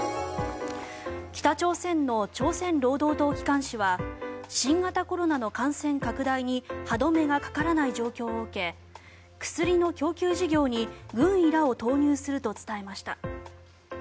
北朝鮮の朝鮮労働党機関紙は新型コロナの感染拡大に歯止めがかからない状況を受け薬の供給事業に軍医らを投入すると伝えました。